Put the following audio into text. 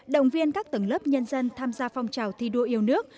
động viên các tầng lớp nhân dân tham gia phong trào thi đua yêu nước